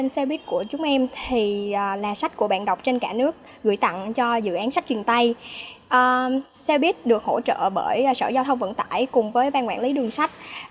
xe buýt được hỗ trợ bởi sở giao thông vận tải cùng với ban quản lý đường sách